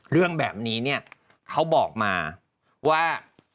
เรื่องแบบนี้เนี่ยเขาบอกมาว่า